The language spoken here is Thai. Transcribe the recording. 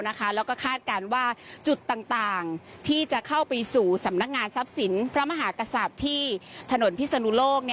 แล้วก็คาดการณ์ว่าจุดต่างที่จะเข้าไปสู่สำนักงานทรัพย์สินพระมหากษัตริย์ที่ถนนพิศนุโลก